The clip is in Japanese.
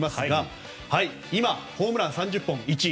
今、ホームラン３０本、１位。